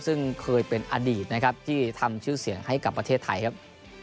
ซึ่งเคยเป็นอดีตนะครับที่ทำชื่อเสียงให้กับประเทศไทยครับ